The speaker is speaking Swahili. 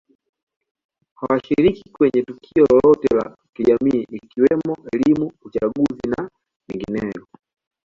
hawashiriki kwenye tukio lolote la kijamii ikiwemo elimu uchaguzi na mengineyo